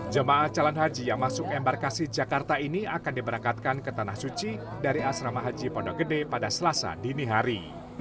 jemaah calon haji yang masuk embarkasi jakarta ini akan diberangkatkan ke tanah suci dari asrama haji pondok gede pada selasa dini hari